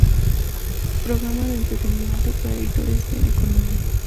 Programa de Entrenamiento para Editores de Economía.